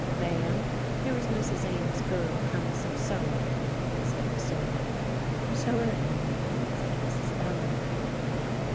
"Ma'am, here is Mrs. Ames's girl come with some sewing," said the servant. "Show her in," said Mrs. Elmore.